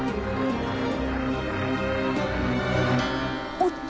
おっと！